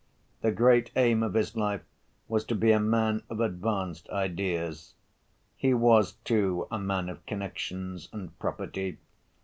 The great aim of his life was to be a man of advanced ideas. He was, too, a man of connections and property.